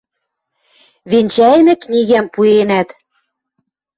Венчӓйӹмӹ книгӓм пуэнӓт.